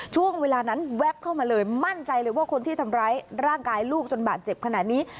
ช่วงเวลานั้นแวบเข้ามาเลยมั่นใจเลยว่าคนที่ทำร้ายร่างกายลูกจนบาดเจ็บขนาดนี้